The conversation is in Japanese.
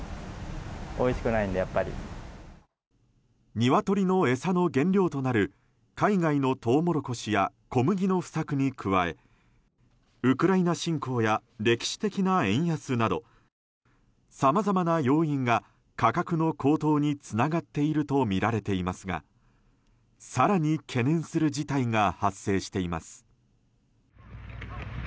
ニワトリの餌の原料となる海外のトウモロコシや小麦の不作に加えウクライナ侵攻や歴史的な円安などさまざまな要因が価格の高騰につながっているとみられていますが更に懸念する事態が発生しています。